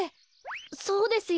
そうですよ。